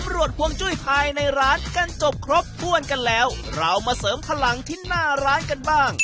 ตำรวจห่วงจุ้ยภายในร้านกันจบครบถ้วนกันแล้วเรามาเสริมพลังที่หน้าร้านกันบ้าง